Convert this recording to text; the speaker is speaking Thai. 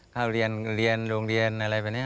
เข้าเรียนโรงเรียนอะไรแบบนี้